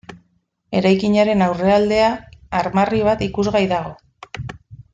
Eraikinaren aurrealdea armarri bat ikusgai dago.